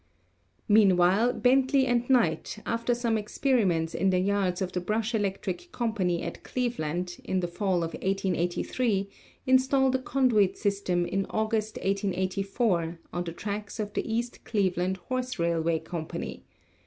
Meanwhile Bentley and Knight, after some experiments in the yards of the Brush Electric Company at Cleveland in the fall of 1883, installed a conduit system in August, 1884, on the tracks of the East Cleveland Horse Railway Company.